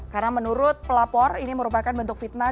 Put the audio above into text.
karena menurut pelapor ini merupakan bentuk fitnah